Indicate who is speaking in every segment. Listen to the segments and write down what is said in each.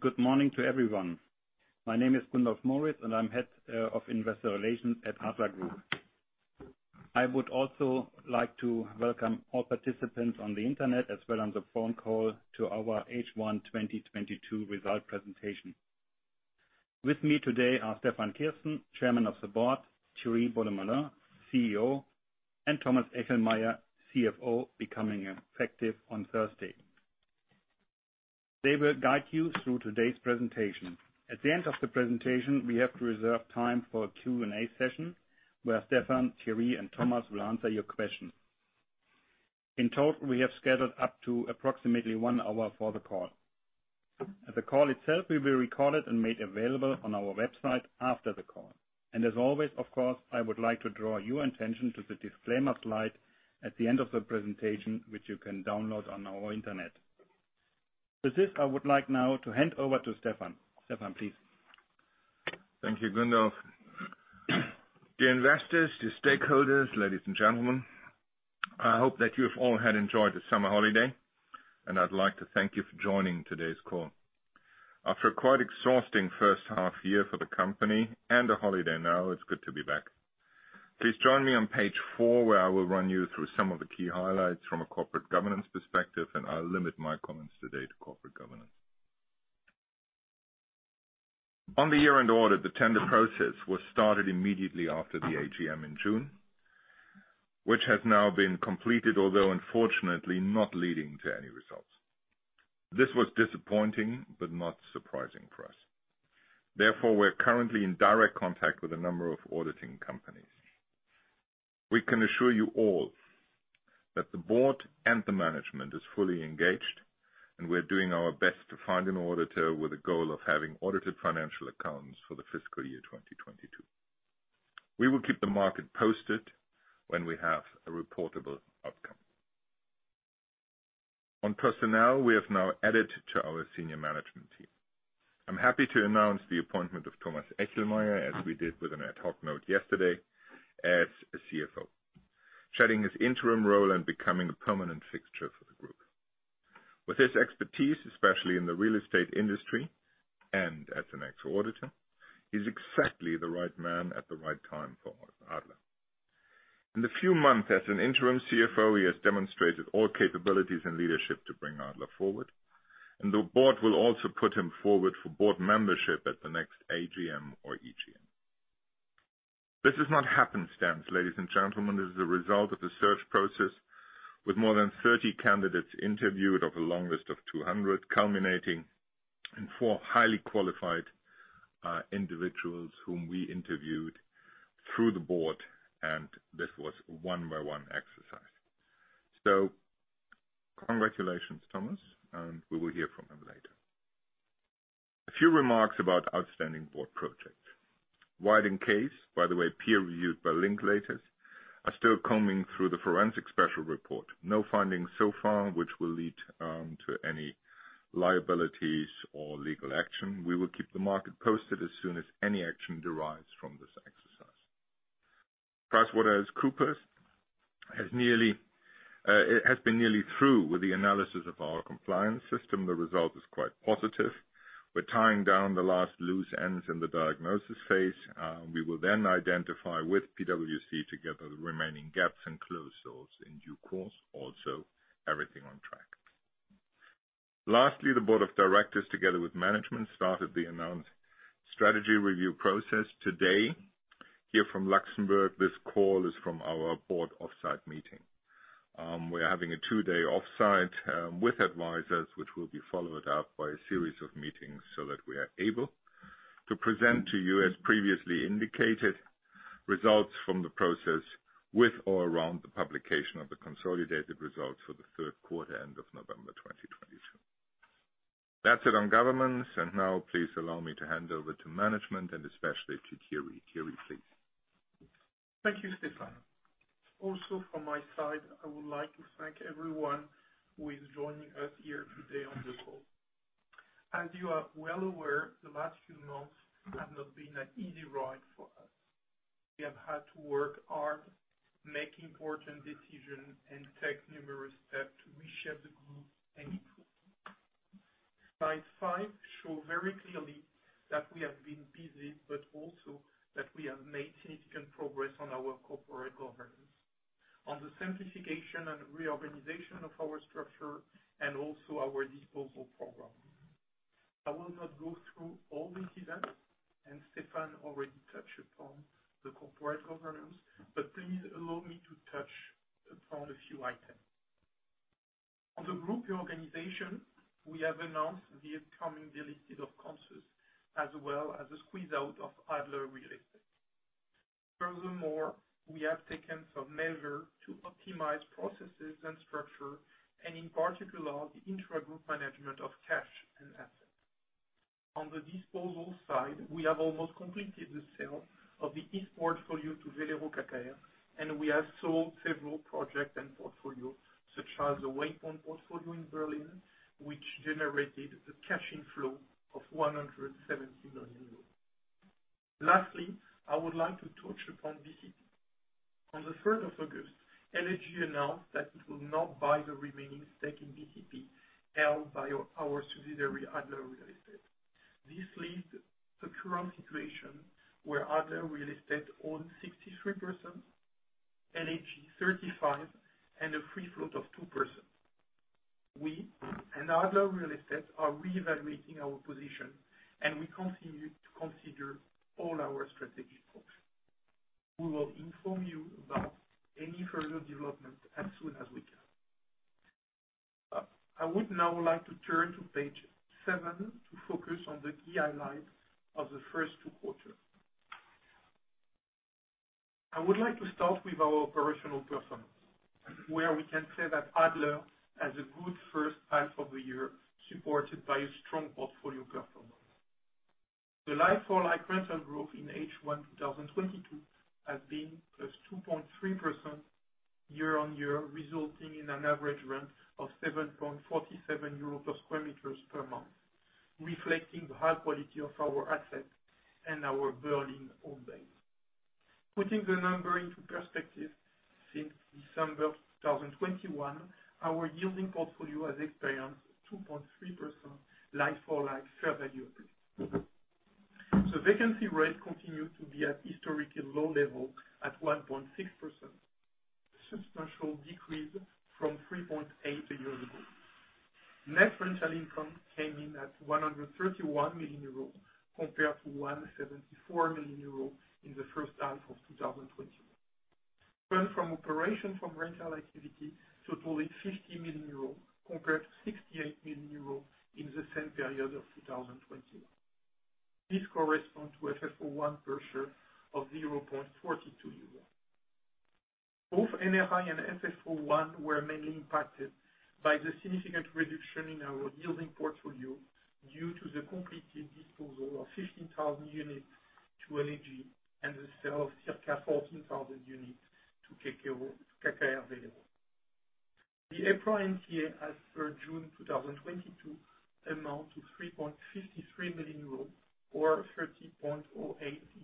Speaker 1: Good morning to everyone. My name is Gundolf Moritz, and I'm head of investor relations at Adler Group. I would also like to welcome all participants on the internet as well as on the phone call to our H1 2022 results presentation. With me today are Stefan Kirsten, Chairman of the Board, Thierry Beaudemoulin, CEO, and Thomas Echelmeyer, CFO, becoming effective on Thursday. They will guide you through today's presentation. At the end of the presentation, we have to reserve time for a Q&A session, where Stefan, Thierry, and Thomas will answer your questions. In total, we have scheduled up to approximately one hour for the call. The call itself will be recorded and made available on our website after the call. As always, of course, I would like to draw your attention to the disclaimer slide at the end of the presentation, which you can download on our website. With this, I would like now to hand over to Stefan. Stefan, please.
Speaker 2: Thank you, Gundolf. Dear investors, dear stakeholders, ladies and gentlemen, I hope that you've all had enjoyed the summer holiday, and I'd like to thank you for joining today's call. After a quite exhausting first half year for the company and a holiday now, it's good to be back. Please join me on page four, where I will run you through some of the key highlights from a corporate governance perspective, and I'll limit my comments today to corporate governance. On the year-end audit, the tender process was started immediately after the AGM in June, which has now been completed, although unfortunately not leading to any results. This was disappointing but not surprising for us. Therefore, we're currently in direct contact with a number of auditing companies. We can assure you all that the board and the management is fully engaged, and we're doing our best to find an auditor with the goal of having audited financial accounts for the fiscal year 2022. We will keep the market posted when we have a reportable outcome. On personnel, we have now added to our senior management team. I'm happy to announce the appointment of Thomas Echelmeyer, as we did with an ad hoc note yesterday, as the CFO. Shedding his interim role and becoming a permanent fixture for the group. With his expertise, especially in the real estate industry and as an ex auditor, he's exactly the right man at the right time for Adler. In a few months, as an interim CFO, he has demonstrated all capabilities and leadership to bring Adler forward, and the board will also put him forward for board membership at the next AGM or EGM. This does not happenstance, ladies and gentlemen. This is a result of the search process with more than 30 candidates interviewed of a long list of 200, culminating in four highly qualified individuals whom we interviewed through the board, and this was one by one exercise. Congratulations, Thomas, and we will hear from him later. A few remarks about outstanding board projects. White & Case, by the way, peer-reviewed by Linklaters, are still combing through the forensic special report. No findings so far which will lead to any liabilities or legal action. We will keep the market posted as soon as any action arises from this exercise. PricewaterhouseCoopers has nearly been through with the analysis of our compliance system. The result is quite positive. We're tying down the last loose ends in the diagnosis phase. We will then identify with PwC together the remaining gaps and close those in due course. Also, everything on track. Lastly, the board of directors together with management started the announced strategy review process today. Here from Luxembourg, this call is from our board off-site meeting. We're having a two-day off-site with advisors which will be followed up by a series of meetings so that we are able to present to you, as previously indicated, results from the process with or around the publication of the consolidated results for the third quarter, end of November 2022. That's it on governance. Now please allow me to hand over to management and especially to Thierry. Thierry, please.
Speaker 3: Thank you, Stefan. Also from my side, I would like to thank everyone who is joining us here today on this call. As you are well aware, the last few months have not been an easy ride for us. We have had to work hard, make important decisions, and take numerous steps to reshift the group supported by a strong portfolio performance. The like-for-like rental growth in H1 2022 has been +2.3% year-on-year, resulting in an average rent of 7.47 euros per square meter per month, reflecting the high quality of our assets and our blue-chip tenant base. Putting the number into perspective, since December 2021, our yielding portfolio has experienced 2.3% like-for-like fair value increase. The vacancy rate continued to be at historically low level at 1.6%, substantial decrease from 3.8% a year ago. Net rental income came in at 131 million euros, compared to 174 million euros in the first half of 2021. Earned from operation from rental activity totaled 50 million euros, compared to 68 million euros in the same period of 2021. This corresponds to FFO 1 per share of 0.42 EUR. Both NRI and FFO 1 were mainly impacted by the significant reduction in our yielding portfolio due to the completed disposal of 15,000 units to LEG and the sale of circa 14,000 units to KKR Real Estate. The EPRA NTA, as per June 2022, amounts to 3.53 million euros or 30.08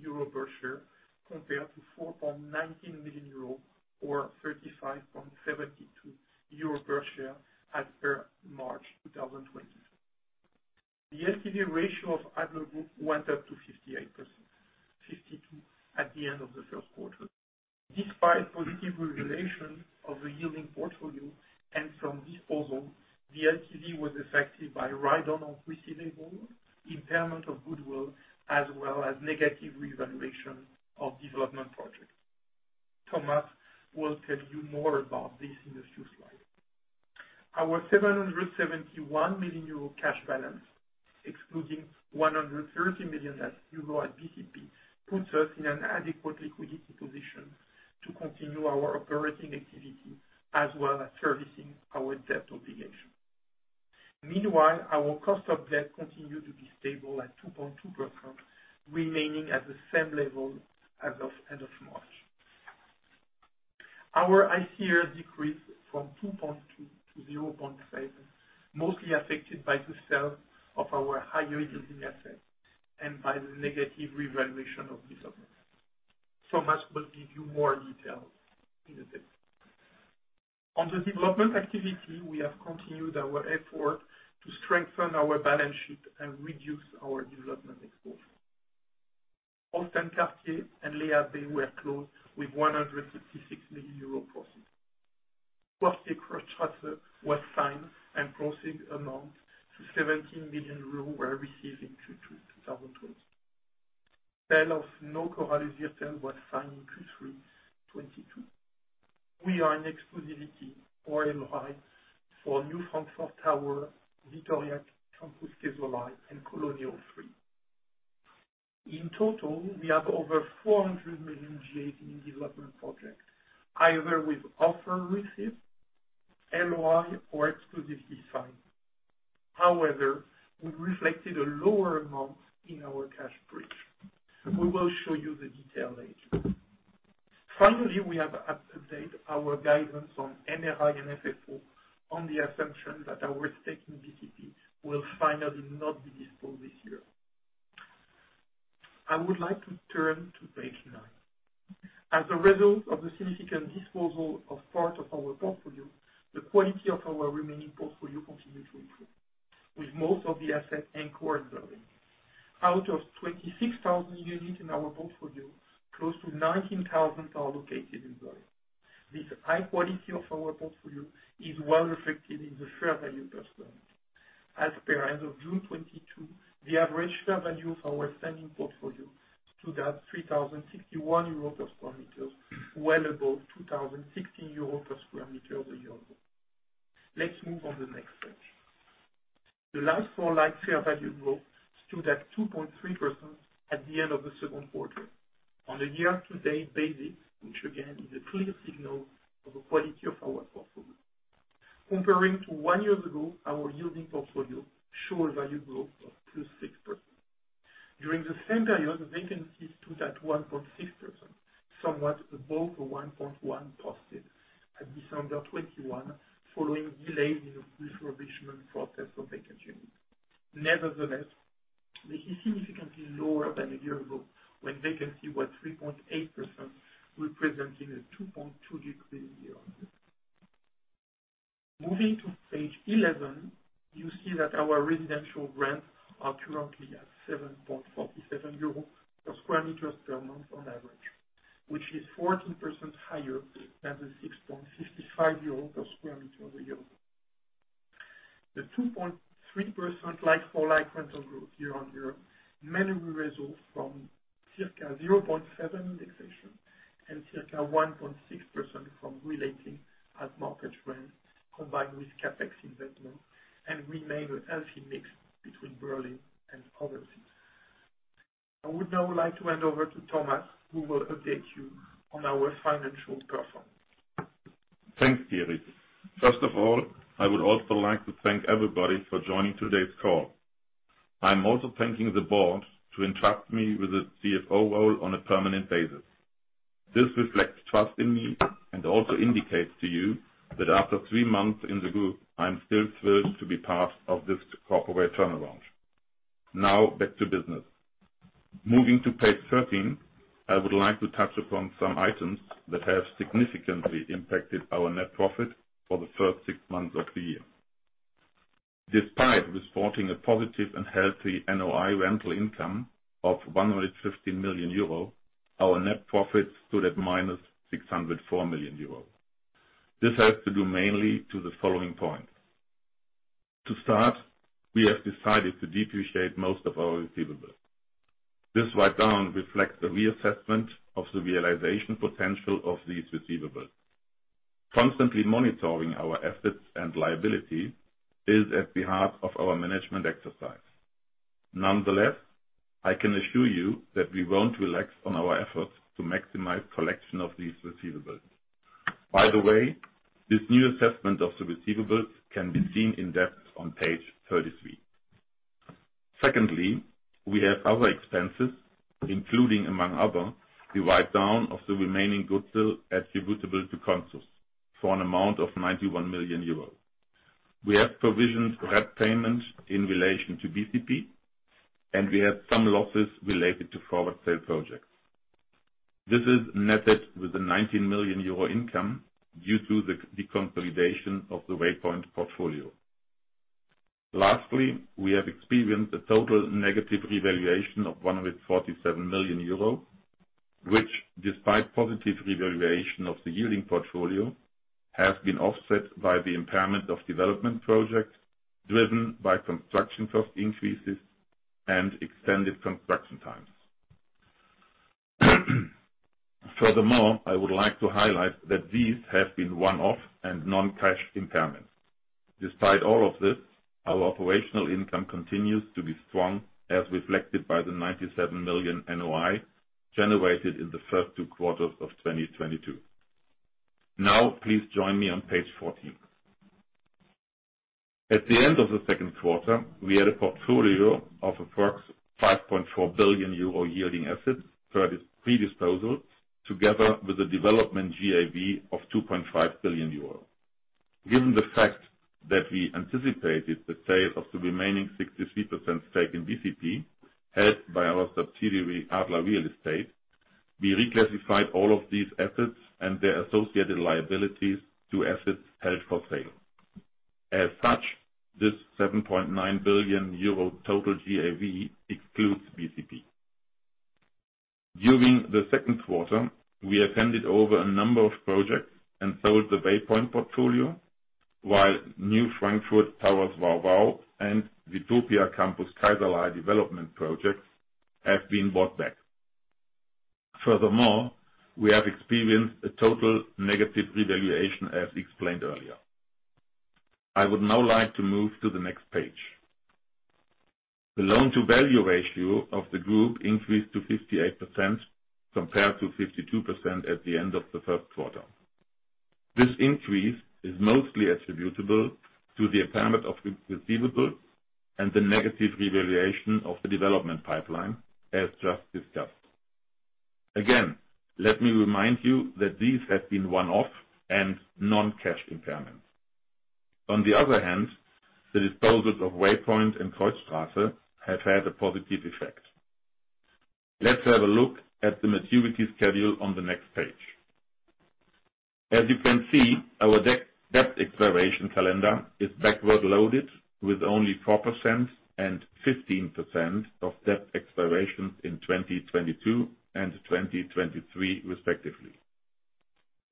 Speaker 3: euro per share, compared to 4.19 million euros or 35.72 euro per share as per March 2022. The LTV ratio of Adler Group went up to 58%, 52% at the end of the first quarter. Despite positive revaluation of the yielding portfolio and from disposal, the LTV was affected by write-down on receivable, impairment of goodwill, as well as negative revaluation of development projects. Thomas will tell you more about this in a few slides. Our 771 million euro cash balance, excluding 130 million euro net at BCP, puts us in an adequate liquidity position to continue our operating activity as well as servicing our debt obligation. Meanwhile, our cost of debt continued to be stable at 2.2%, remaining at the same level as of March. Our ICR decreased from 2.2x to 0.7x, mostly affected by the sale of our higher-yielding assets and by the negative revaluation of developments. Thomas will give you more details in a bit. On the development activity, we have continued our effort to strengthen our balance sheet and reduce our development exposure. Holsten Quartier and Le Havre were closed with 156 million euro proceeds. Quartier Kreuzstraße was signed, and proceeds amount to 17 million euros were received in Q2 2022. Sale of Neue Korallusviertel was signed in Q3 2022. We are in exclusivity or LOI for New Frankfurt Tower, Vitopia-Kampus Kaiserlei and COL III. In total, we have over 400 million GAV in development projects, either with offer received, LOI or exclusivity signed. However, we reflected a lower amount in our cash bridge. We will show you the detail later. Finally, we have updated our guidance on NRI and FFO on the assumption that our stake in BCP will finally not be disposed this year. I would like to turn to page nine. As a result of the significant disposal of part of our portfolio, the quality of our remaining portfolio continued to improve, with most of the assets anchored growing. Out of 26,000 units in our portfolio, close to 19,000 are located in Berlin. This high quality of our portfolio is well reflected in the fair value performance. As of June 2022, the average fair value of our standing portfolio stood at 3,061 euro per square meters, well above 2,016 euro per square meter a year ago. Let's move on to the next page. The like-for-like fair value growth stood at 2.3% at the end of the second quarter on a year-to-date basis, which again, is a clear signal of the quality of our portfolio. Compared to one year ago, our yielding portfolio showed value growth of +6%. During the same period, the vacancies stood at 1.6%. Somewhat above the 1.1% posted at December 2021, following delays in refurbishment process of vacant units. Nevertheless, this is significantly lower than a year ago when vacancy was 3.8% representing a 2.2 decrease year-on-year. Moving to page 11, you see that our residential rents are currently at 7.47 euro per square meter per month on average, which is 14% higher than the 6.55 euro per square meter a year ago. The 2.3% like-for-like rental growth year-on-year mainly results from circa 0.7 indexation and circa 1.6% from reletting at market rent combined with CapEx investment and remain a healthy mix between Berlin and overseas. I would now like to hand over to Thomas, who will update you on our financial performance.
Speaker 4: Thanks, Thierry. First of all, I would also like to thank everybody for joining today's call. I'm also thanking the board to entrust me with the CFO role on a permanent basis. This reflects trust in me and also indicates to you that after three months in the group, I'm still thrilled to be part of this corporate turnaround. Now back to business. Moving to page 13, I would like to touch upon some items that have significantly impacted our net profit for the first six months of the year. Despite reporting a positive and healthy NOI rental income of 150 million euro, our net profit stood at -604 million euro. This has to do mainly to the following points. To start, we have decided to depreciate most of our receivables. This write-down reflects the reassessment of the realization potential of these receivables. Constantly monitoring our assets and liabilities is at the heart of our management exercise. Nonetheless, I can assure you that we won't relax on our efforts to maximize collection of these receivables. By the way, this new assessment of the receivables can be seen in depth on page 33. Secondly, we have other expenses, including, among others, the write-down of the remaining goodwill attributable to Consus for an amount of 91 million euros. We have provisioned for repayment in relation to BCP, and we have some losses related to forward sale projects. This is netted with a 19 million euro income due to the consolidation of the Waypoint portfolio. Lastly, we have experienced a total negative revaluation of 147 million euro, which despite positive revaluation of the yielding portfolio, has been offset by the impairment of development projects driven by construction cost increases and extended construction times. Furthermore, I would like to highlight that these have been one-off and non-cash impairments. Despite all of this, our operational income continues to be strong, as reflected by the 97 million NOI generated in the first two quarters of 2022. Now please join me on page 14. At the end of the second quarter, we had a portfolio of approximately 5.4 billion euro yielding assets prior to pre-disposal, together with the development GAV of 2.5 billion euro. Given the fact that we anticipated the sale of the remaining 63% stake in BCP, held by our subsidiary, ADLER Real Estate, we reclassified all of these assets and their associated liabilities to assets held for sale. As such, this 7.9 billion euro total GAV excludes BCP. During the second quarter, we handed over a number of projects and sold the Waypoint portfolio, while New Frankfurt Towers VauVau and Vitopia-Kampus Kaiserlei development projects have been bought back. Furthermore, we have experienced a total negative revaluation as explained earlier. I would now like to move to the next page. The loan to value ratio of the group increased to 58% compared to 52% at the end of the first quarter. This increase is mostly attributable to the impairment of receivables and the negative revaluation of the development pipeline, as just discussed. Again, let me remind you that these have been one-off and non-cash impairments. On the other hand, the disposals of Waypoint and Kreuzstraße have had a positive effect. Let's have a look at the maturity schedule on the next page. As you can see, our debt expiration calendar is back-loaded with only 4% and 15% of debt expirations in 2022 and 2023 respectively.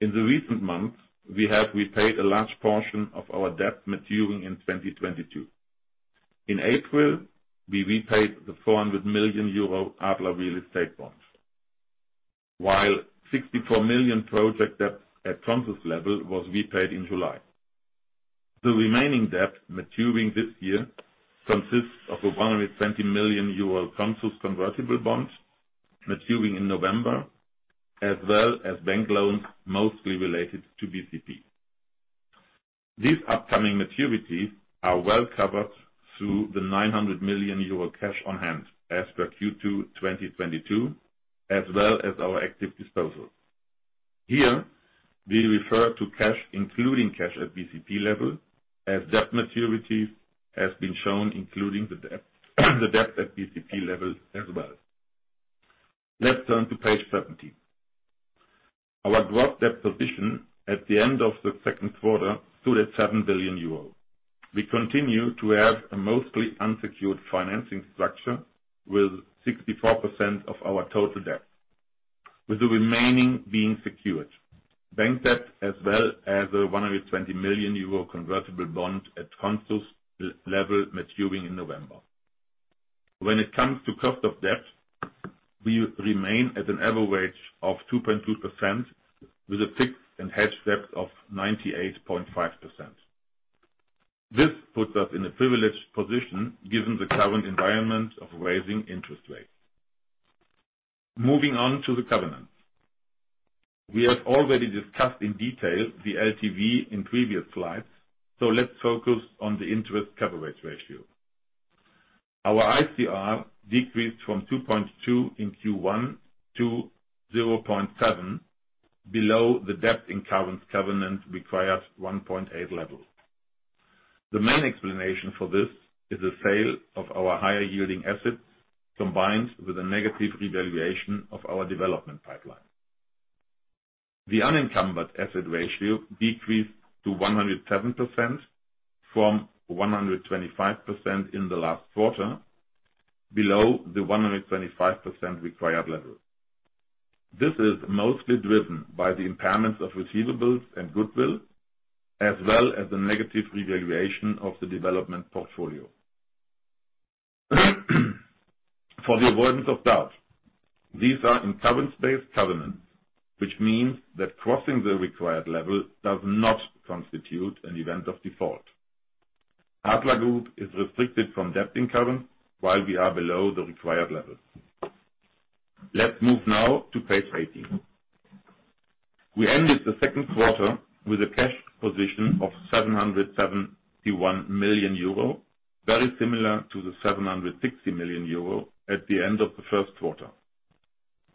Speaker 4: In recent months, we have repaid a large portion of our debt maturing in 2022. In April, we repaid the 400 million euro ADLER Real Estate bonds, while 64 million project debt at Consus level was repaid in July. The remaining debt maturing this year consists of a 120 million euro Consus convertible bond maturing in November, as well as bank loans mostly related to BCP. These upcoming maturities are well covered through the 900 million euro cash on hand as per Q2 2022, as well as our active disposal. Here, we refer to cash, including cash at BCP level, as debt maturities has been shown, including the debt, the debt at BCP level as well. Let's turn to page 17. Our gross debt position at the end of the second quarter stood at 7 billion euro. We continue to have a mostly unsecured financing structure with 64% of our total debt, with the remaining being secured. Bank debt as well as a 120 million euro convertible bond at Consus level maturing in November. When it comes to cost of debt, we remain at an average of 2.2% with a fixed and hedged debt of 98.5%. This puts us in a privileged position given the current environment of raising interest rates. Moving on to the covenants. We have already discussed in detail the LTV in previous slides, so let's focus on the interest coverage ratio. Our ICR decreased from 2.2x in Q1 to 0.7x below the debt incurrence covenant required 1.8x level. The main explanation for this is the sale of our higher-yielding assets, combined with a negative revaluation of our development pipeline. The unencumbered asset ratio decreased to 107% from 125% in the last quarter, below the 125% required level. This is mostly driven by the impairments of receivables and goodwill, as well as the negative revaluation of the development portfolio. For the avoidance of doubt, these are covenant-based covenants, which means that crossing the required level does not constitute an event of default. Adler Group is restricted from incurring debt while we are below the required level. Let's move now to page 18. We ended the second quarter with a cash position of 771 million euro, very similar to the 760 million euro at the end of the first quarter.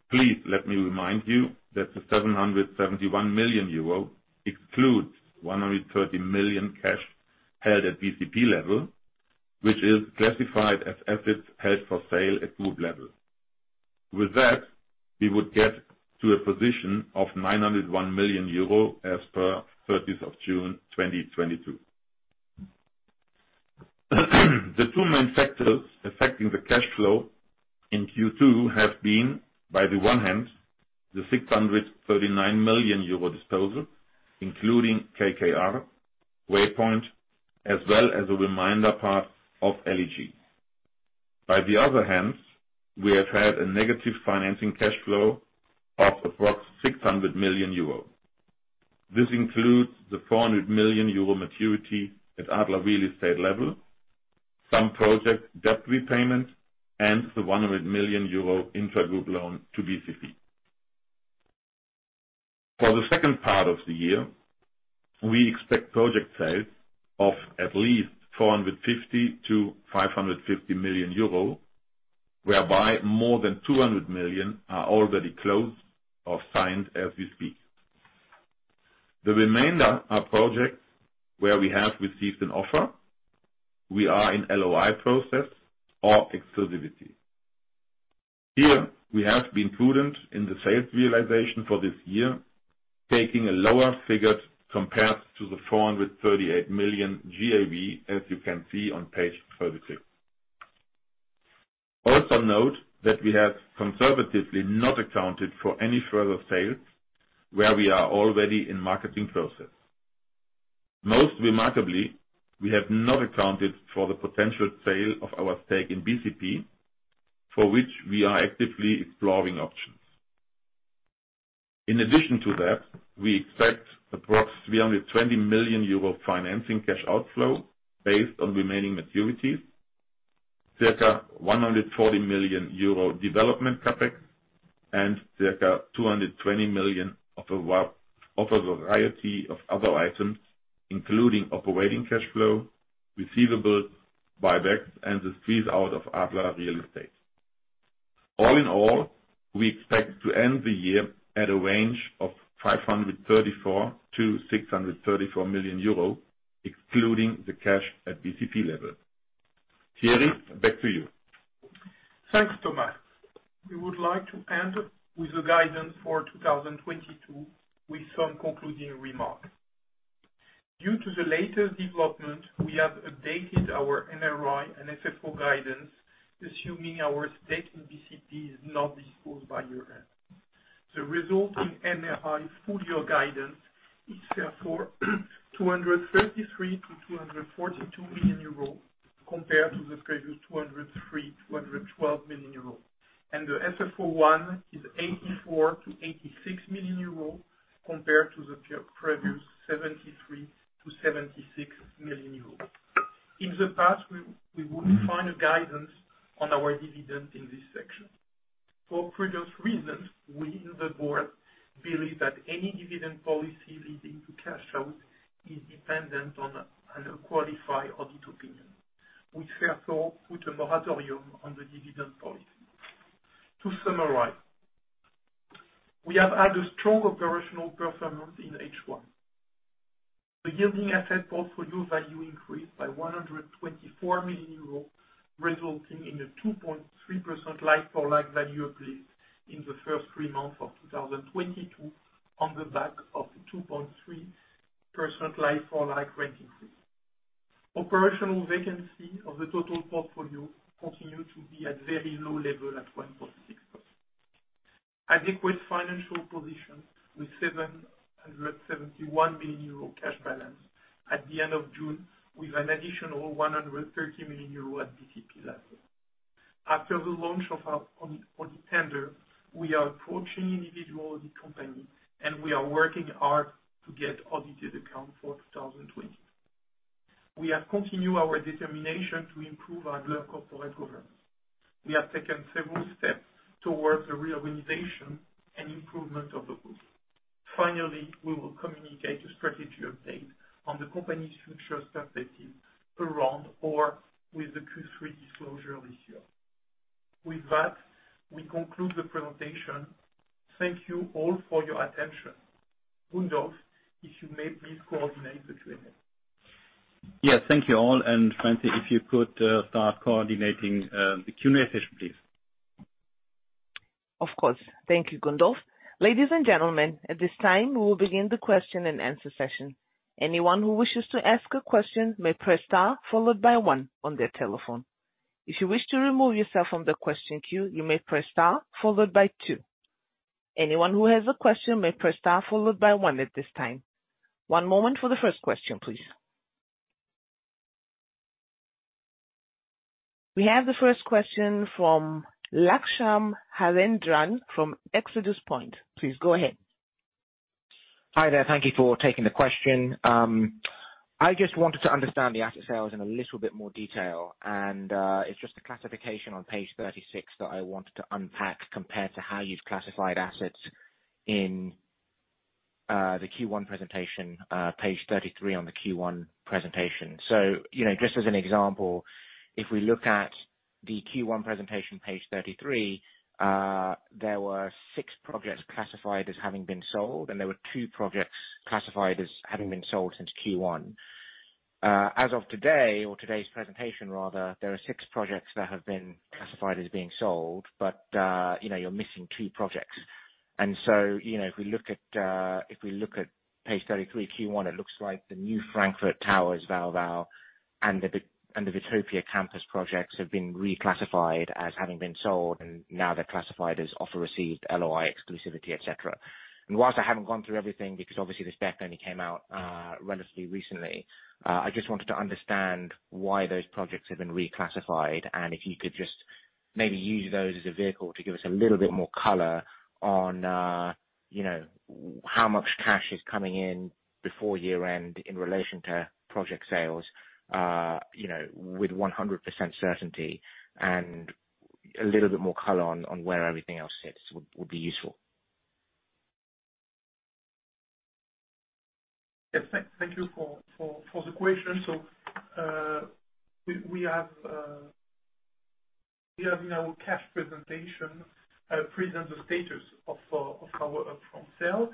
Speaker 4: Please let me remind you that the 771 million euro excludes 130 million cash held at BCP level, which is classified as assets held for sale at group level. With that, we would get to a position of 901 million euro as per 30th of June 2022. The two main factors affecting the cash flow in Q2 have been, on the one hand, the 639 million euro disposal, including KKR, Waypoint, as well as a remaining part of LEG. On the other hand, we have had a negative financing cash flow of approx 600 million euro. This includes the 400 million euro maturity at ADLER Real Estate level, some project debt repayment, and the 100 million euro intragroup loan to BCP. For the second part of the year, we expect project sales of at least 450 million-550 million euro, whereby more than 200 million are already closed or signed as we speak. The remainder are projects where we have received an offer. We are in LOI process or exclusivity. Here, we have been prudent in the sales realization for this year, taking a lower figure compared to the 438 million GAV, as you can see on page 36. Also note that we have conservatively not accounted for any further sales where we are already in marketing process. Most remarkably, we have not accounted for the potential sale of our stake in BCP, for which we are actively exploring options. In addition to that, we expect approx 320 million euro financing cash outflow based on remaining maturities, circa 140 million euro development CapEx, and circa 220 million of a variety of other items, including operating cash flow, receivables, buybacks, and the squeeze-out of ADLER Real Estate. All in all, we expect to end the year at a range of 534 million-634 million euro, excluding the cash at BCP level. Thierry, back to you.
Speaker 3: Thanks, Thomas. We would like to end with the guidance for 2022 with some concluding remarks. Due to the latest development, we have updated our NOI and FFO guidance, assuming our stake in BCP is not disposed by year-end. The resulting NOI full year guidance is therefore 233 million-242 million euro compared to the previous 203 million-212 million euro. The FFO 1 is 84 million-86 million euro compared to the previous 73 million-76 million euro. In the past, we would find a guidance on our dividend in this section. For various reasons, the board believes that any dividend policy leading to cash out is dependent on a qualified audit opinion. We therefore put a moratorium on the dividend policy. To summarize, we have had a strong operational performance in H1. The yielding asset portfolio value increased by 124 million euros, resulting in a 2.3% like-for-like value increase in the first three months of 2022 on the back of the 2.3% like-for-like rent increase. Operational vacancy of the total portfolio continue to be at very low level at 1.6%. Adequate financial position with 771 million euro cash balance at the end of June, with an additional 130 million euro at BCP level. After the launch of our audit tender, we are approaching individual audit company, and we are working hard to get audited accounts for 2020. We have continue our determination to improve our corporate governance. We have taken several steps towards the reorganization and improvement of the group. Finally, we will communicate a strategy update on the company's future perspective around or with the Q3 disclosure this year. With that, we conclude the presentation. Thank you all for your attention. Gundolf, if you may please coordinate the Q&A.
Speaker 1: Yes. Thank you, all. Francine, if you could start coordinating the Q&A session, please.
Speaker 5: Of course. Thank you, Gundolf. Ladies and gentlemen, at this time, we will begin the question and answer session. Anyone who wishes to ask a question may press star followed by one on their telephone. If you wish to remove yourself from the question queue, you may press star followed by two. Anyone who has a question may press star followed by one at this time. One moment for the first question, please. We have the first question from Lakshman Harendran from ExodusPoint. Please go ahead.
Speaker 6: Hi there. Thank you for taking the question. I just wanted to understand the asset sales in a little bit more detail. It's just the classification on page 36 that I wanted to unpack compared to how you've classified assets in the Q1 presentation, page 33 on the Q1 presentation. You know, just as an example, if we look at the Q1 presentation, page 33, there were six projects classified as having been sold, and there were two projects classified as having been sold since Q1. As of today, or today's presentation rather, there are six projects that have been classified as being sold, but you know, you're missing two projects. You know, if we look at page 33, Q1, it looks like the New Frankfurt Towers VauVau and the Vitopia-Kampus projects have been reclassified as having been sold, and now they're classified as offer received, LOI, exclusivity, et cetera. While I haven't gone through everything, because obviously this deck only came out relatively recently, I just wanted to understand why those projects have been reclassified. If you could just maybe use those as a vehicle to give us a little bit more color on, you know, how much cash is coming in before year-end in relation to project sales, you know, with 100% certainty, and a little bit more color on where everything else sits would be useful.
Speaker 3: Yes, thank you for the question. We have now cash presentation, present the status of our upfront sales.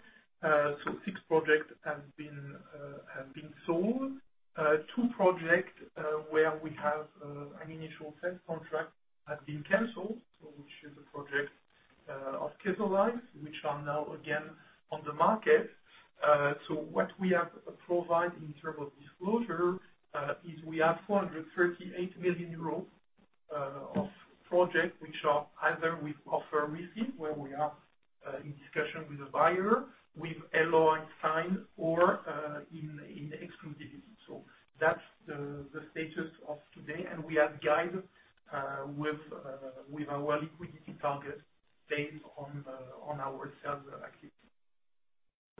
Speaker 3: Six projects have been sold. Two projects where we have an initial sales contract has been canceled, which is a project of Consus, which are now again on the market. What we have provided in terms of disclosure is we have 438 million euros of projects which are either with offer received, where we are in discussion with the buyer, with LOI signed or in exclusivity. That's the status of today, and we have guided with our liquidity target based on our sales activity.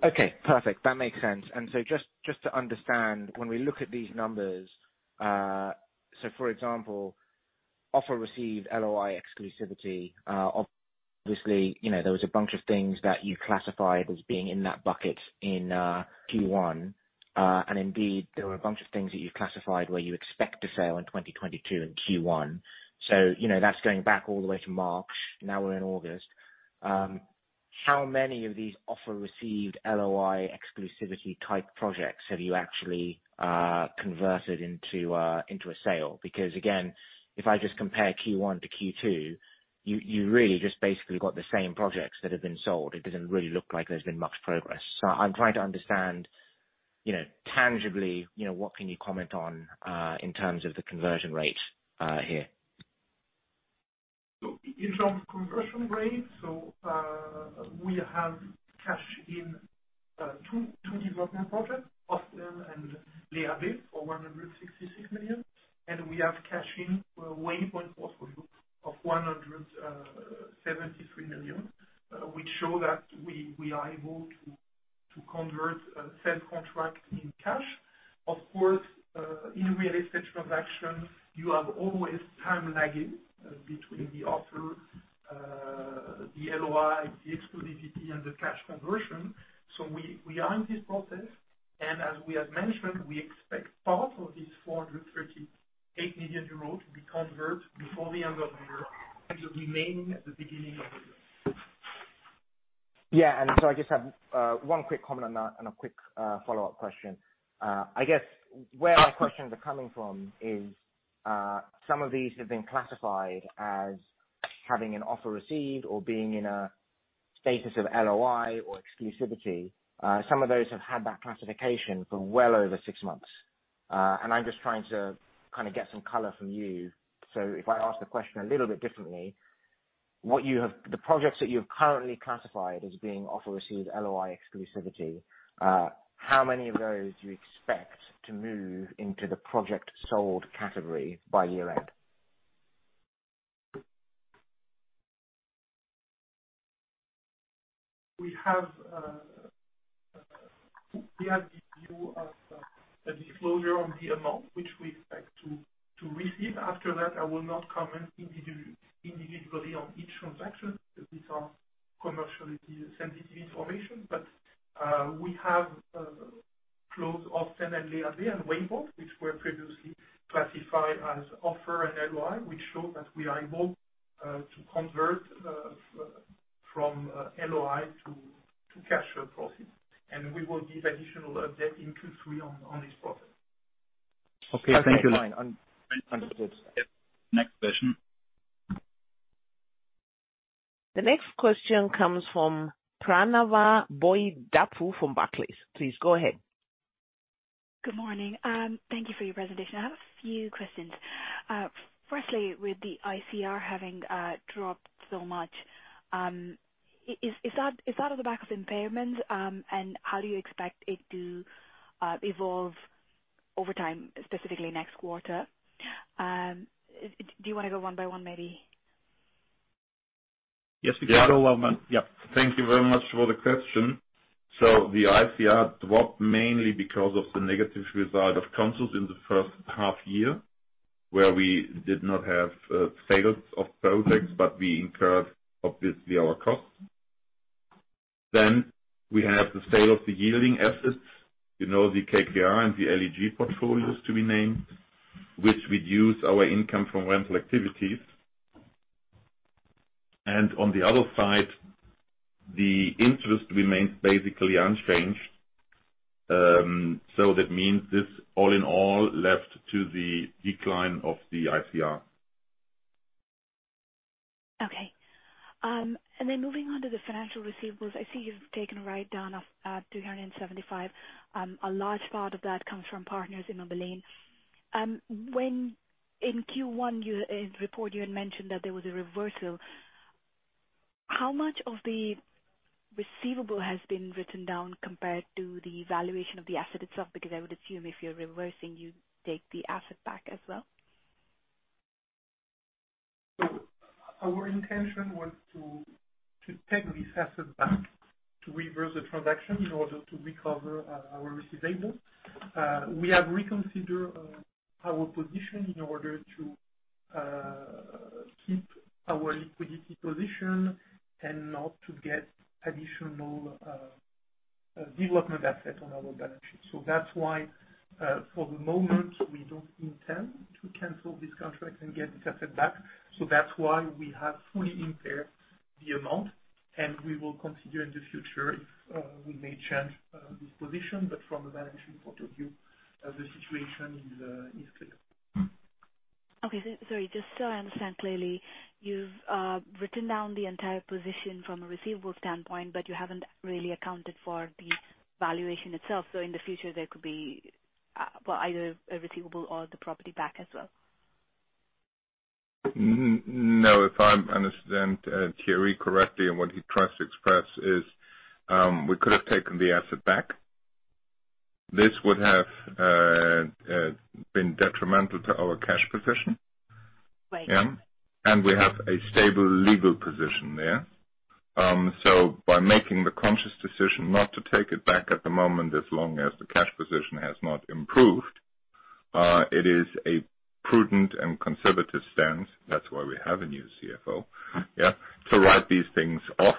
Speaker 6: Okay. Perfect. That makes sense. Just to understand, when we look at these numbers, for example, offer received, LOI exclusivity, obviously, you know, there was a bunch of things that you classified as being in that bucket in Q1. Indeed, there were a bunch of things that you've classified where you expect to sell in 2022 in Q1. You know, that's going back all the way to March, now we're in August. How many of these offer received, LOI exclusivity type projects have you actually converted into a sale? Because again, if I just compare Q1 to Q2, you really just basically got the same projects that have been sold. It doesn't really look like there's been much progress. I'm trying to understand, you know, tangibly, you know, what can you comment on, in terms of the conversion rate, here?
Speaker 3: In terms of conversion rate, we have cash in two development projects, Holsten and Le Havre, for 166 million. We have cash in Waypoint portfolio of 173 million, which show that we are able to convert a sale contract in cash. Of course, in real estate transactions, you have always time lagging between the offer, the LOI, the exclusivity, and the cash conversion. We are in this process, and as we have mentioned, we expect part of this 438 million euro to be converted before the end of the year, and the remaining at the beginning of the year.
Speaker 6: Yeah. I just have one quick comment on that and a quick follow-up question. I guess where my questions are coming from is some of these have been classified as having an offer received or being in a status of LOI or exclusivity. Some of those have had that classification for well over six months. I'm just trying to kind of get some color from you. If I ask the question a little bit differently, the projects that you have currently classified as being offer received, LOI, exclusivity, how many of those do you expect to move into the project sold category by year end?
Speaker 3: We have the view of the disclosure on the amount which we expect to receive. After that, I will not comment individually on each transaction because these are commercially sensitive information. We have closed Holsten and Le Havre and Waypoint, which were previously classified as offer and LOI, which show that we are able to convert from LOI to cash proceeds. We will give additional update in Q3 on this process.
Speaker 6: Okay. Thank you.
Speaker 2: Okay. Fine. Understood. Next question.
Speaker 5: The next question comes from Pranava Boyidapu from Barclays. Please go ahead.
Speaker 7: Good morning. Thank you for your presentation. I have a few questions. Firstly, with the ICR having dropped so much, is that on the back of impairment? How do you expect it to evolve over time, specifically next quarter? Do you wanna go one by one, maybe?
Speaker 3: Yes, we can go.
Speaker 2: Yeah. Thank you very much for the question. The ICR dropped mainly because of the negative result of Consus in the first half year, where we did not have sales of projects, but we incurred obviously our costs. We have the sale of the yielding assets, you know, the KKR and the LEG portfolios, namely, which reduced our income from rental activities. On the other side, the interest remains basically unchanged. That means this all in all led to the decline of the ICR.
Speaker 7: Okay. Moving on to the financial receivables, I see you've taken a write-down of 375. A large part of that comes from partners in Immobilien. When in Q1 your report you had mentioned that there was a reversal, how much of the receivable has been written down compared to the valuation of the asset itself? Because I would assume if you're reversing, you take the asset back as well.
Speaker 3: Our intention was to take this asset back to reverse the transaction in order to recover our receivable. We have reconsidered our position in order to keep our liquidity position and not to get additional development asset on our balance sheet. That's why, for the moment, we don't intend to cancel this contract and get the asset back. That's why we have fully impaired the amount, and we will consider in the future if we may change this position. From a balancing point of view, the situation is clear.
Speaker 7: Okay. Sorry, just so I understand clearly, you've written down the entire position from a receivable standpoint, but you haven't really accounted for the valuation itself. In the future, there could be, well, either a receivable or the property back as well.
Speaker 2: No, if I understand Thierry correctly, and what he tries to express is, we could have taken the asset back. This would have been detrimental to our cash position.
Speaker 7: Right.
Speaker 2: We have a stable legal position there. By making the conscious decision not to take it back at the moment, as long as the cash position has not improved, it is a prudent and conservative stance. That's why we have a new CFO to write these things off.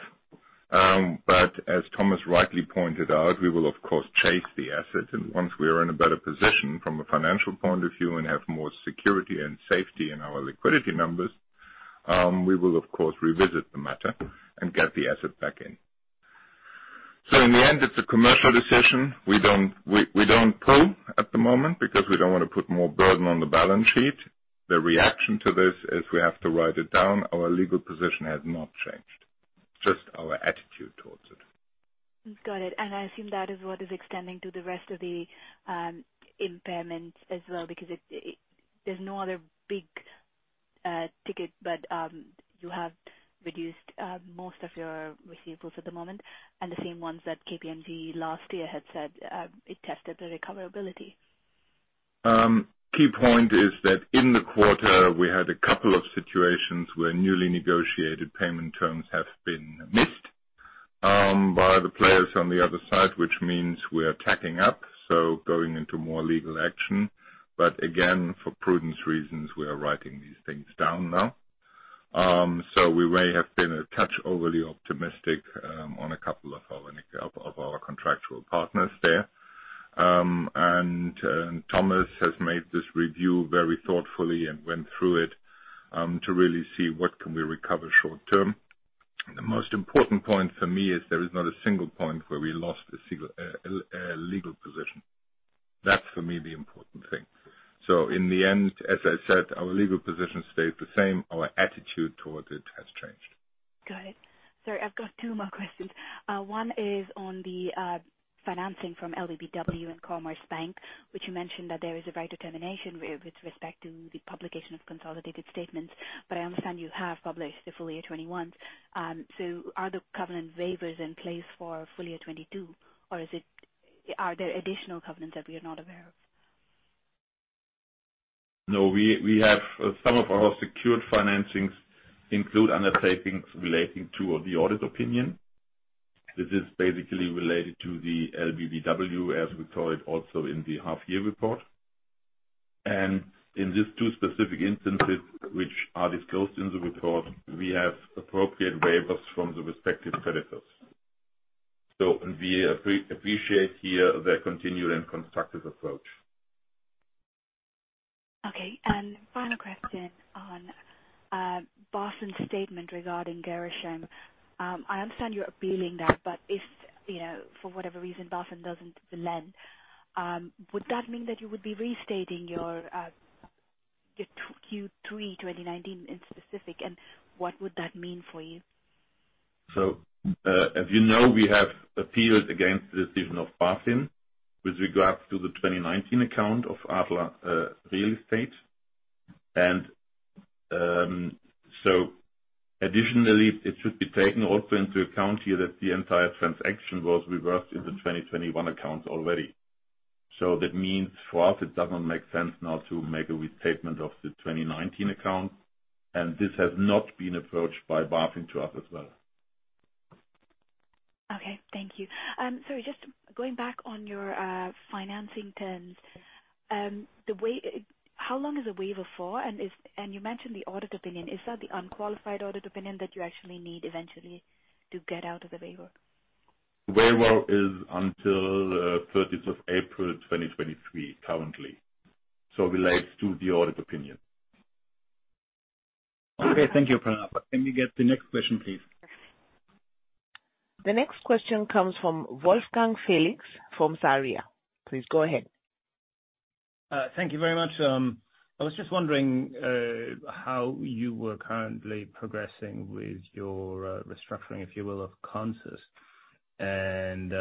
Speaker 2: As Thomas rightly pointed out, we will of course chase the asset. Once we are in a better position from a financial point of view and have more security and safety in our liquidity numbers, we will of course revisit the matter and get the asset back in. In the end, it's a commercial decision. We don't pull at the moment because we don't wanna put more burden on the balance sheet. The reaction to this is we have to write it down. Our legal position has not changed, just our attitude towards it.
Speaker 7: Got it. I assume that is what is extending to the rest of the impairment as well because it. There's no other big ticket, but you have reduced most of your receivables at the moment, and the same ones that KPMG last year had said it tested the recoverability.
Speaker 2: Key point is that in the quarter, we had a couple of situations where newly negotiated payment terms have been missed by the players on the other side, which means we're taking up, so going into more legal action. Again, for prudence reasons, we are writing these things down now. We may have been a touch overly optimistic on a couple of our contractual partners there. Thomas has made this review very thoughtfully and went through it to really see what can we recover short term. The most important point for me is there is not a single point where we lost a single legal position. That's for me, the important thing. In the end, as I said, our legal position stayed the same. Our attitude towards it has changed.
Speaker 7: Got it. Sir, I've got two more questions. One is on the financing from LBBW and Commerzbank, which you mentioned that there is a right of termination with respect to the publication of consolidated statements. I understand you have published the full year 2021. So are the covenant waivers in place for full year 2022, or is it? Are there additional covenants that we are not aware of?
Speaker 2: No, we have some of our secured financings include undertakings relating to the audit opinion. This is basically related to the LBBW, as we call it also in the half year report. In these two specific instances which are disclosed in the report, we have appropriate waivers from the respective creditors. We appreciate here their continued and constructive approach.
Speaker 7: Okay. Final question on BaFin's statement regarding Gerresheim. I understand you're appealing that, but if, you know, for whatever reason, BaFin doesn't lend, would that mean that you would be restating your 2Q 2019 specifically, and what would that mean for you?
Speaker 2: As you know, we have appealed against the decision of BaFin with regards to the 2019 account of ADLER Real Estate. Additionally, it should be taken also into account here that the entire transaction was reversed in the 2021 accounts already. That means for us, it does not make sense now to make a restatement of the 2019 account. This has not been approached by BaFin to us as well.
Speaker 7: Okay. Thank you. Just going back on your financing terms. How long is the waiver for? You mentioned the audit opinion. Is that the unqualified audit opinion that you actually need eventually to get out of the waiver?
Speaker 2: Waiver is until 30th of April, 2023, currently. Relates to the audit opinion. Okay. Thank you, Pranav. Can we get the next question, please?
Speaker 5: The next question comes from Wolfgang Felix from Sarria. Please go ahead.
Speaker 8: Thank you very much. I was just wondering how you were currently progressing with your restructuring, if you will, of Consus. Can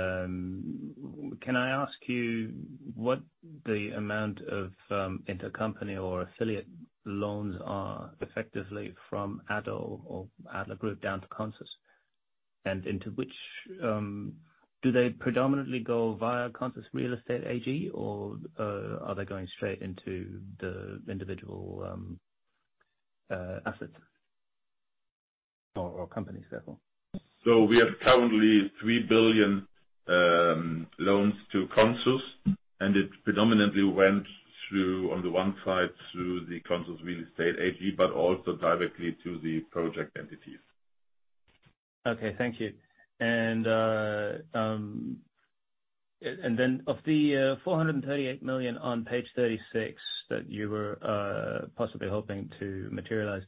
Speaker 8: I ask you what the amount of intercompany or affiliate loans are effectively from Adler or Adler Group down to Consus? Into which do they predominantly go via Consus Real Estate AG or are they going straight into the individual assets or companies, therefore?
Speaker 2: We have currently 3 billion loans to Consus, and it predominantly went through, on the one side, through the Consus Real Estate AG, but also directly to the project entities.
Speaker 8: Okay. Thank you. Then of the 438 million on page 36 that you were possibly hoping to materialize,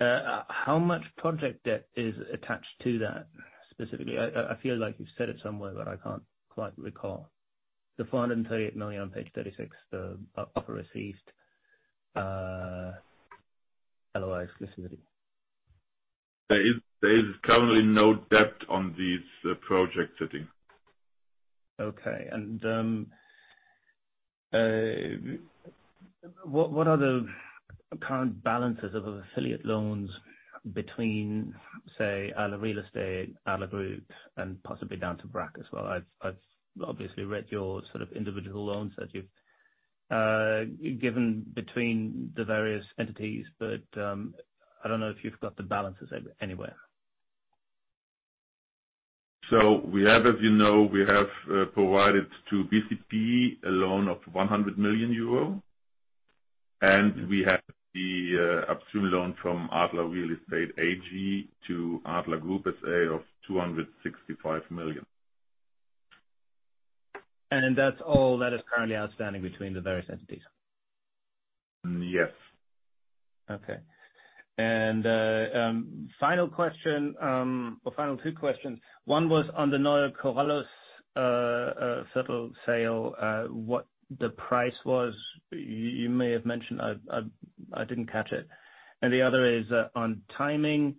Speaker 8: how much project debt is attached to that specifically? I feel like you've said it somewhere, but I can't quite recall. The 438 million on page 36, the offer received, otherwise listed.
Speaker 2: There is currently no debt on these project settings.
Speaker 8: Okay. What are the current balances of affiliate loans between, say, ADLER Real Estate, Adler Group, and possibly down to Brack as well? I've obviously read your sort of individual loans that you've given between the various entities. I don't know if you've got the balances anywhere.
Speaker 2: We have, as you know, provided to BCP a loan of 100 million euro, and we have the upstream loan from ADLER Real Estate AG to Adler Group of 265 million.
Speaker 8: That's all that is currently outstanding between the various entities?
Speaker 2: Yes.
Speaker 8: Okay. Final question, or final two questions. One was on the Neue Korallusviertel sale, what the price was. You may have mentioned, I didn't catch it. The other is on timing,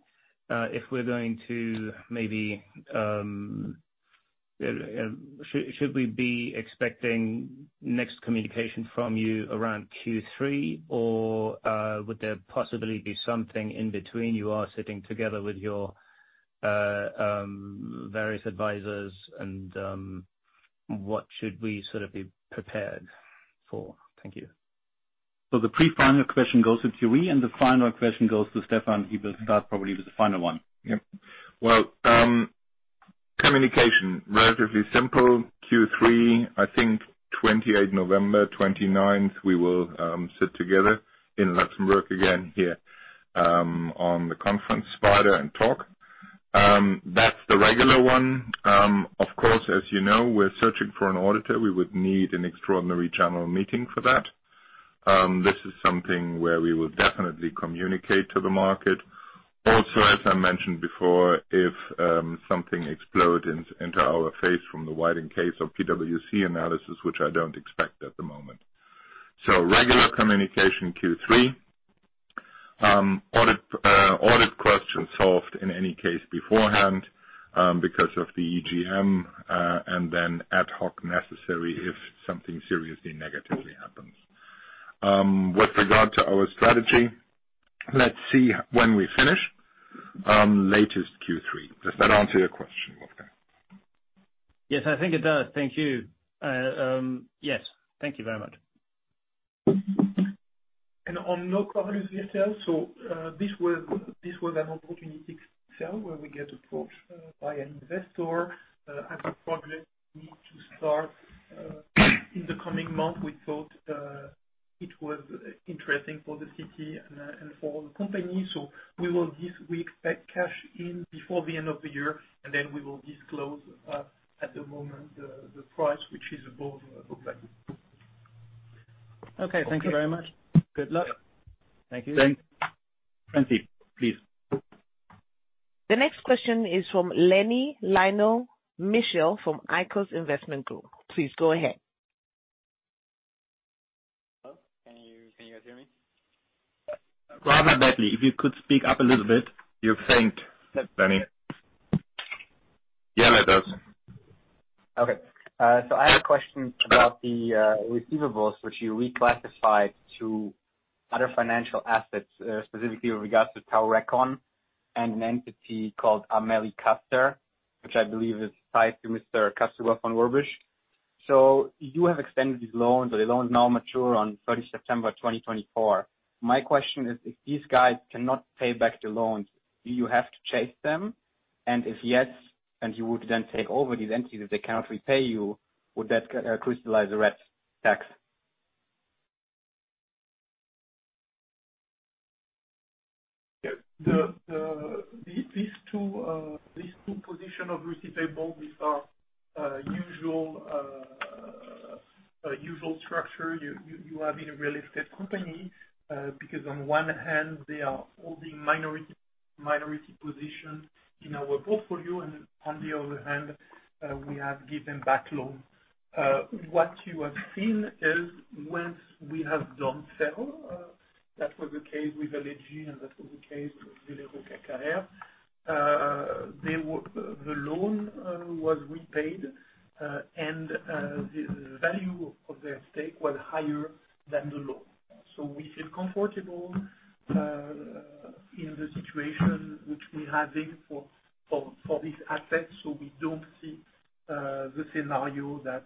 Speaker 8: if we're going to maybe should we be expecting next communication from you around Q3 or would there possibly be something in between? You are sitting together with your various advisors and what should we sort of be prepared for? Thank you.
Speaker 3: The pre-final question goes to Thierry, and the final question goes to Stefan. He will start probably with the final one. Yep.
Speaker 2: Well, communication, relatively simple. Q3, I think 28th November, 29th, we will sit together in Luxembourg again here, on the conference spider and talk. That's the regular one. Of course, as you know, we're searching for an auditor. We would need an extraordinary general meeting for that. This is something where we will definitely communicate to the market. Also, as I mentioned before, if something explode in, into our face from the White & Case or PwC analysis, which I don't expect at the moment. Regular communication Q3, audit question solved in any case beforehand, because of the EGM, and then ad hoc necessary if something seriously negatively happens. With regard to our strategy, let's see when we finish, latest Q3. Does that answer your question, Wolfgang?
Speaker 8: Yes, I think it does. Thank you. Yes. Thank you very much.
Speaker 3: On Neue Korallusviertel. This was an opportunistic sale where we get approached by an investor as a project we need to start in the coming month. We thought it was interesting for the city and for the company. We will this week take cash in before the end of the year, and then we will disclose at the moment the price which is above book value.
Speaker 8: Okay. Thank you very much. Good luck.
Speaker 3: Thank you.
Speaker 2: Thanks.
Speaker 3: Francine, please.
Speaker 5: The next question is from Lenny Lionel Michel from Eicos Investment Group. Please go ahead.
Speaker 9: Hello. Can you guys hear me?
Speaker 3: Rather badly. If you could speak up a little bit. You faint, Lenny.
Speaker 2: Yeah, that does.
Speaker 9: Okay. I have a question about the receivables, which you reclassified to other financial assets, specifically with regards to Taurecon and an entity called Amelie Caster, which I believe is tied to Mr. Cevdet Caner. You have extended these loans, or the loans now mature on 30 September 2024. My question is, if these guys cannot pay back the loans, do you have to chase them? And if yes, and you would then take over these entities if they cannot repay you, would that crystallize the RETT tax?
Speaker 3: Yeah. These two positions of receivables are a usual structure you have in a real estate company because on one hand they are holding minority position in our portfolio, and on the other hand, we have given a loan. What you have seen is once we have done the sale, that was the case with LEG and that was the case with Velero/KKR. The loan was repaid, and the value of their stake was higher than the loan. We feel comfortable in the situation which we have been for this asset. We don't see the scenario that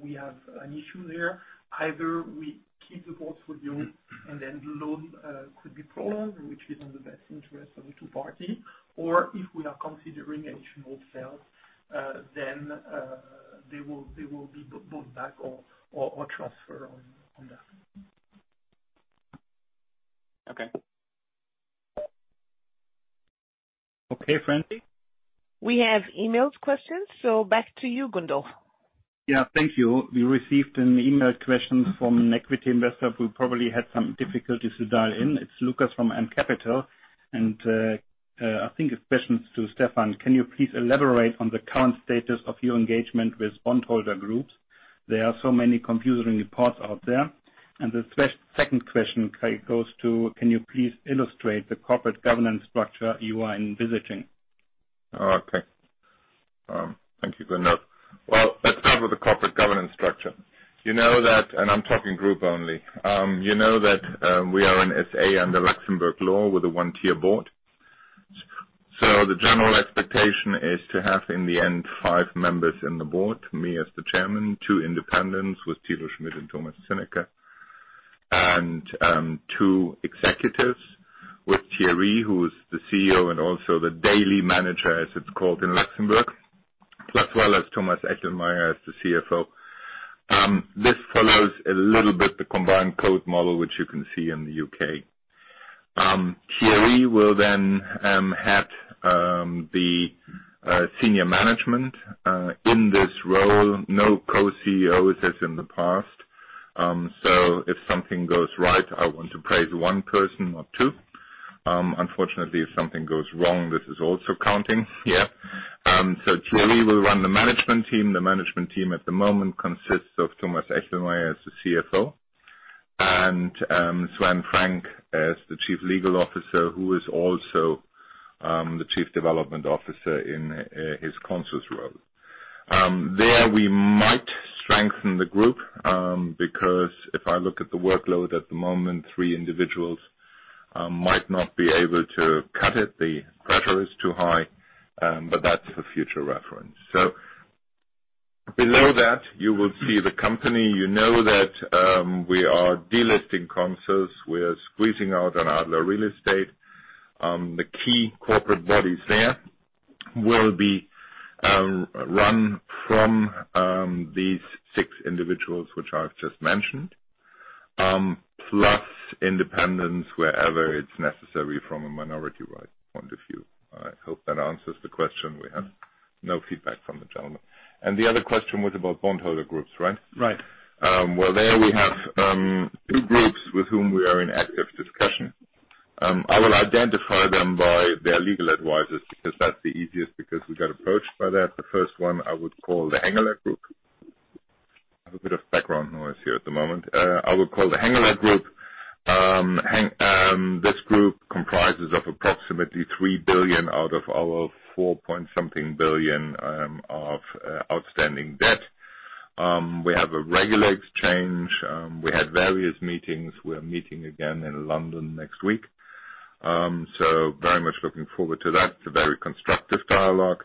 Speaker 3: we have an issue there. Either we keep the portfolio and then the loan could be prolonged, which is in the best interest of the two parties. Or if we are considering an additional sale, then they will be bought back or transfer on that.
Speaker 9: Okay.
Speaker 3: Okay, Francine.
Speaker 5: We have emailed questions, so back to you, Gundolf.
Speaker 1: Yeah. Thank you. We received an emailed question from an equity investor who probably had some difficulties to dial in. It's Lucas from M Capital. I think his question is to Stefan. Can you please elaborate on the current status of your engagement with bondholder groups? There are so many confusing reports out there. The second question goes to, can you please illustrate the corporate governance structure you are envisaging?
Speaker 2: Okay. Thank you for note. Well, let's start with the corporate governance structure. You know that, and I'm talking group only. You know that, we are an SA under Luxembourg law with a one-tier board. So the general expectation is to have, in the end, five members in the board. Me as the chairman, two independents with Thilo Schmid and Thomas Zinnöcker, and two executives with Thierry, who is the CEO and also the daily manager, as it's called in Luxembourg, as well as Thomas Echelmeyer as the CFO. This follows a little bit the Combined Code model, which you can see in the U.K. Thierry will then head the senior management in this role. No co-CEOs as in the past. If something goes right, I want to praise one person or two. Unfortunately, if something goes wrong, this is also counting. Yeah. Thierry will run the management team. The management team at the moment consists of Thomas Echelmeyer as the CFO and Sven-Christian Frank as the Chief Legal Officer, who is also the Chief Development Officer in his concurrent role. There we might strengthen the group, because if I look at the workload at the moment, three individuals might not be able to cut it. The pressure is too high, but that's for future reference. Below that, you will see the company. You know that we are delisting Consus. We're squeezing out on ADLER Real Estate. The key corporate bodies there will be run from these six individuals, which I've just mentioned, plus independents wherever it's necessary from a minority rights point of view. I hope that answers the question. We have no feedback from the gentleman. The other question was about bondholder groups, right?
Speaker 1: Right.
Speaker 2: Well, there we have two groups with whom we are in active discussion. I will identify them by their legal advisors because that's the easiest because we got approached by that. The first one I would call the Hengeler Group. I have a bit of background noise here at the moment. This group comprises of approximately 3 billion out of our EUR 4-point-something billion of outstanding debt. We have a regular exchange. We had various meetings. We're meeting again in London next week. Very much looking forward to that. It's a very constructive dialogue.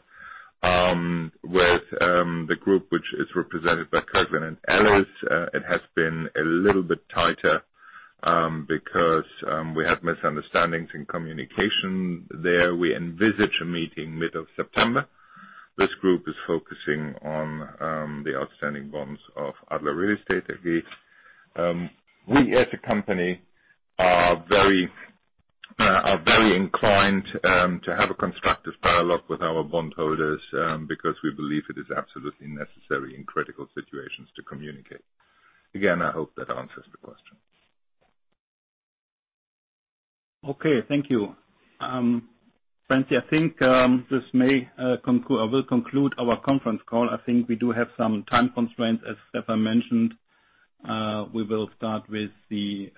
Speaker 2: With the group which is represented by Kirkland & Ellis, it has been a little bit tighter because we had misunderstandings in communication there. We envisage a meeting mid of September. This group is focusing on the outstanding bonds of ADLER Real Estate. We, as a company, are very inclined to have a constructive dialogue with our bondholders, because we believe it is absolutely necessary in critical situations to communicate. Again, I hope that answers the question.
Speaker 1: Okay. Thank you. Francine, I think this may conclude our conference call. I think we do have some time constraints, as Stefan mentioned. We will start with the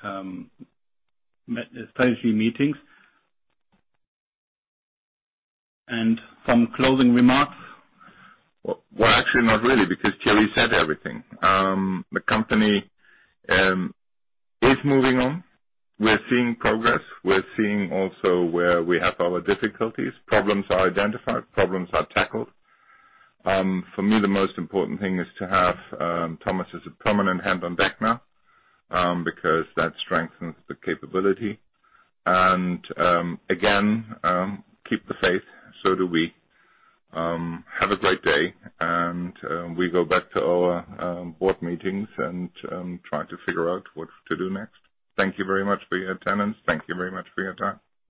Speaker 1: strategy meetings. Some closing remarks.
Speaker 2: Well, actually, not really, because Thierry said everything. The company is moving on. We're seeing progress. We're seeing also where we have our difficulties. Problems are identified, problems are tackled. For me, the most important thing is to have Thomas as a prominent hand on deck now, because that strengthens the capability. Again, keep the faith. Do we. Have a great day. We go back to our board meetings and try to figure out what to do next. Thank you very much for your attendance. Thank you very much for your time.